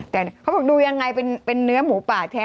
แต่เขาบอกดูยังไงเป็นเนื้อหมูป่าแท้